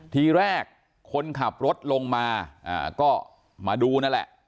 ทีแรกคนขับรถลงมาก็มาดูนั่นแหละ